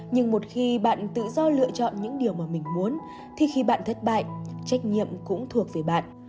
nhưng một khi bạn tự do lựa chọn những điều mà mình muốn thì khi bạn thất bại trách nhiệm cũng thuộc về bạn